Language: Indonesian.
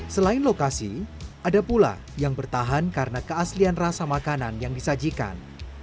selain lokasi ada pula yang bertahan karena keaslian rasa makanan yang disajikan